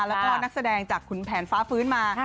โผมเข้ามาแล้วก็นักแสดงจากคุณแผนฟ้าฟื้นมา